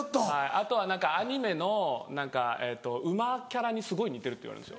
あとは何かアニメの馬キャラにすごい似てるって言われるんです。